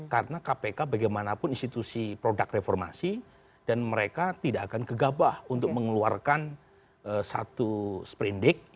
karena kpk bagaimanapun institusi produk reformasi dan mereka tidak akan gegabah untuk mengeluarkan satu sprendik ya